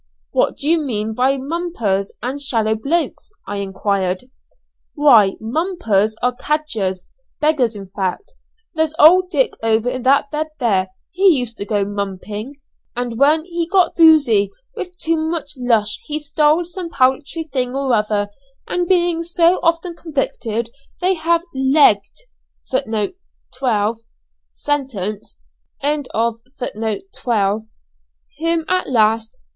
"Who do you mean by mumpers and shallow blokes?" I enquired. "Why 'mumpers' are cadgers; beggars in fact. There's old Dick over in that bed there; he used to go 'mumping,' and when he got boosey with too much lush he stole some paltry thing or other, and being so often convicted they have 'legged' him at last.